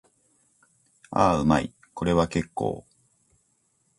ああ、うまい。これは結構。